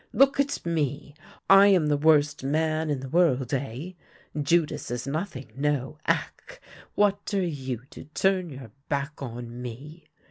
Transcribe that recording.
Look at me. I am the worst man in the world, eh ? Judas is noth ing — no ! Ack ! What are you, to turn your back on me?